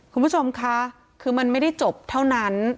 คุณผู้ชมคะคือมันไม่ได้จบเท่านั้น